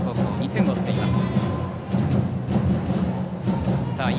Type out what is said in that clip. ２点を追っています。